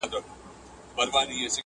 چي ملګری د سفر مي د بیابان یې.!